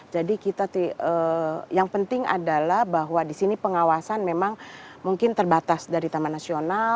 jadi kita yang penting adalah bahwa di sini pengawasan memang mungkin terbatas dari taman nasional